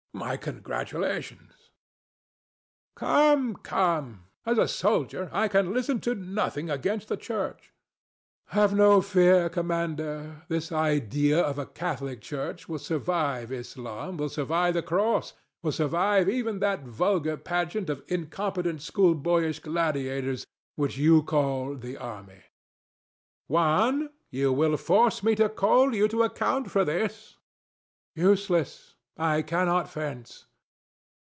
My congratulations. THE STATUE. [seriously] Come come! as a soldier, I can listen to nothing against the Church. DON JUAN. Have no fear, Commander: this idea of a Catholic Church will survive Islam, will survive the Cross, will survive even that vulgar pageant of incompetent schoolboyish gladiators which you call the Army. THE STATUE. Juan: you will force me to call you to account for this. DON JUAN. Useless: I cannot fence.